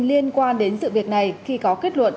liên quan đến sự việc này khi có kết luận